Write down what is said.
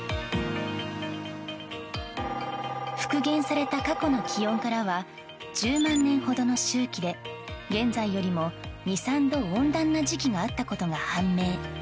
復元された過去の気温からは１０万年ほどの周期で現在よりも２３度温暖な時期があったことが判明。